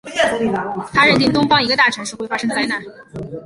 他认定东方一个大城市会发生灾难。